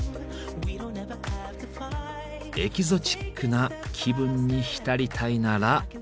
エキゾチックな気分に浸りたいならこちら。